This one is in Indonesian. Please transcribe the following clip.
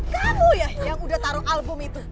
kamu ya yang udah taruh album itu